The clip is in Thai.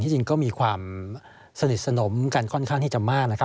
จริงก็มีความสนิทสนมกันค่อนข้างที่จะมากนะครับ